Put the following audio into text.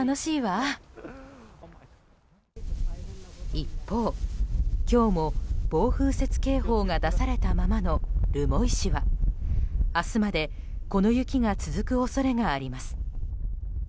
一方、今日も暴風雪警報が出されたままの留萌市は明日までこの雪が続く恐れがあります。